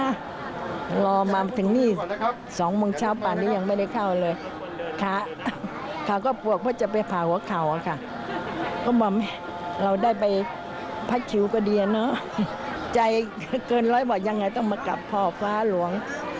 ก็ดีเนอะใจเกินร้อยว่ายังไงต้องมากลับพ่อฟ้าหลวง